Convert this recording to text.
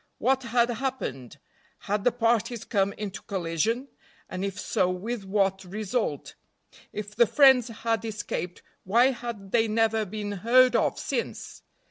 What had happened? Had the parties come into collision? and, if so, with what result? If the friends had escaped, why had they never been heard of since?